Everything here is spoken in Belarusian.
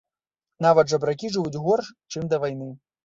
Нават жабракі жывуць горш, чым да вайны.